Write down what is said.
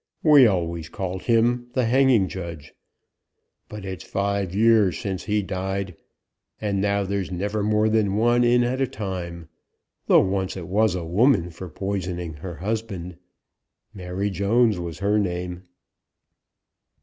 We always called him the 'Hanging Judge.' But its five years since he died, and now there's never more than one in at a time; though once it was a woman for poisoning her husband. Mary Jones was her name."